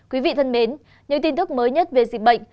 quý vị thân mến những tin tức mới nhất về dịch bệnh